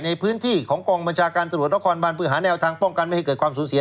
ในพื้นที่ของกองบัญชาการตรวจนครบานเพื่อหาแนวทางป้องกันไม่ให้เกิดความสูญเสีย